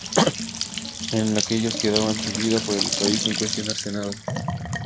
Eran aquellos que daban su vida por el país sin cuestionarse nada.